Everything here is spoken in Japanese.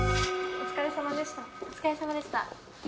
お疲れさまでした。